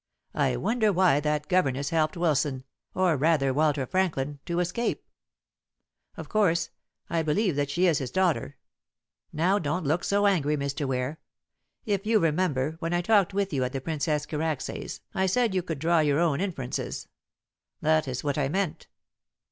I wonder why that governess helped Wilson, or rather Walter Franklin, to escape? Of course, I believe that she is his daughter. Now don't look so angry, Mr. Ware. If you remember, when I talked with you at the Princess Karacsay's I said you could draw your own inferences. That is what I meant."